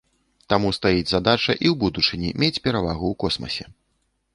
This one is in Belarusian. Таму стаіць задача і ў будучыні мець перавагу ў космасе.